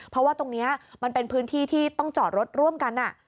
เพราะว่าตรงนี้มันเป็นพื้นที่ที่ต้องจอดรถร่วมกัน